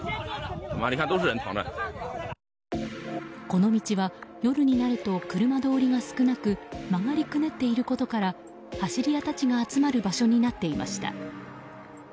この道は夜になると車通りが少なく曲がりくねっていることから走り屋たちが集まる場所になっていました。